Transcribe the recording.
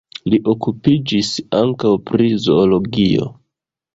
Li okupiĝis ankaŭ pri zoologio.